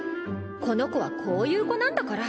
この子はこういう子なんだから。